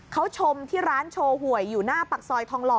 เขาชมที่ร้านโชว์หวยอยู่หน้าปากซอยทองหล่อ